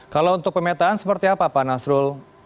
kalau untuk pemetaan seperti apa pak nasrul